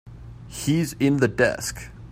He's in the desk.